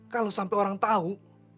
kalau sampai orang tahu